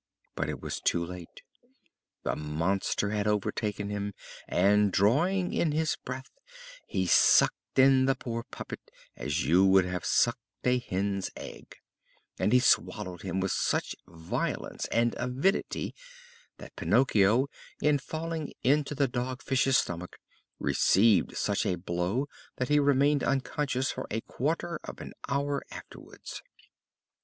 But it was too late! The monster had overtaken him and, drawing in his breath, he sucked in the poor puppet as he would have sucked a hen's egg; and he swallowed him with such violence and avidity that Pinocchio, in falling into the Dog Fish's stomach, received such a blow that he remained unconscious for a quarter of an hour afterwards.